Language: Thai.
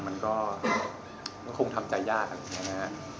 มันก็คงทำใจยากอะไรแบบเนี้ยนะ